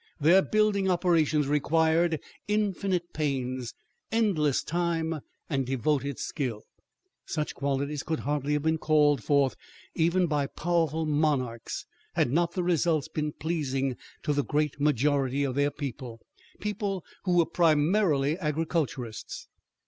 Their building operations required infinite pains, endless time, and devoted skill. Such qualities could hardly have been called forth, even by powerful monarchs, had not the results been pleasing to the great majority of their people, people who were primarily agriculturists.